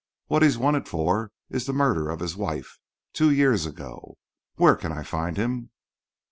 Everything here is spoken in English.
What he's wanted for is the murder of his wife two years ago. Where can I find him?"